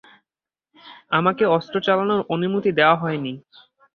আমাকে অস্ত্র চালানোর অনুমতি দেওয়া হয়নি।